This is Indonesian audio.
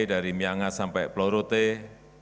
dari myangas sampai plorodok